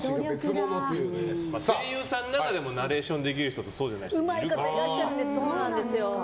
声優さんの中でもナレーションできる方とそうなんですよ。